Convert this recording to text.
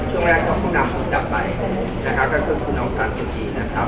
ตอนแรกก็ผู้นำจับไปก็คือคุณน้องศาลสุภีนะครับ